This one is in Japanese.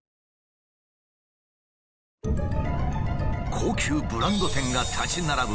高級ブランド店が立ち並ぶ